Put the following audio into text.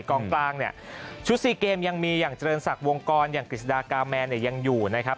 กองกลางเนี่ยชุด๔เกมยังมีอย่างเจริญศักดิ์วงกรอย่างกฤษฎากาแมนเนี่ยยังอยู่นะครับ